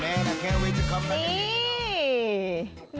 แม่นะแค่ไวน์ถึงคอมพระชีวิต